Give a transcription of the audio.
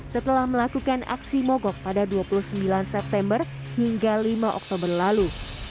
setelah melakukan aksi mogok pada dua puluh sembilan september hingga lima oktober lalu